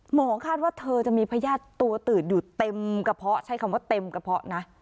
คาดว่าเธอจะมีพญาติตัวตืดอยู่เต็มกระเพาะใช้คำว่าเต็มกระเพาะนะ